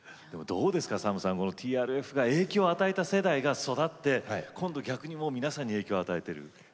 ＳＡＭさんＴＲＦが影響を与えた世代が育って逆に皆さんに影響を与えている。